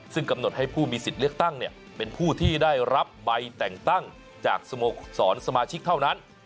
ซึ่งกำหนดให้ผู้มีสิทธิ์เลือกตั้งเป็นผู้ที่ได้รับใบแต่งตั้งจากสโมสรสมาชิกเท่านั้น